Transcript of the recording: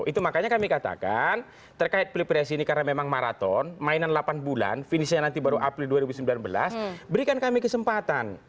itu makanya kami katakan terkait pilpres ini karena memang maraton mainan delapan bulan finishnya nanti baru april dua ribu sembilan belas berikan kami kesempatan